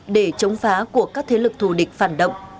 để chống phá của các thế lực thù địch phản động